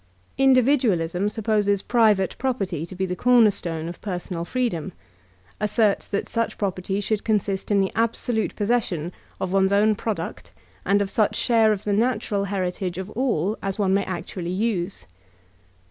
Individualism supposes private property to be the cornerstone of personal freedom; asserts that such property should consist in the absolute possession of one's own product and of such share of the natt ral heritage of all as one may actually use.